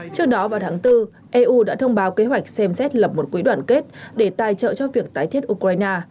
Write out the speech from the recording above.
trước đó vào tháng bốn eu đã thông báo kế hoạch xem xét lập một quỹ đoàn kết để tài trợ cho việc tái thiết ukraine